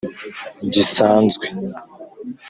Gisanzwe.